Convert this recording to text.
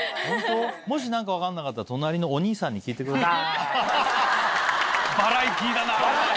もし何か分かんなかったら隣のお兄さんに聞いてください。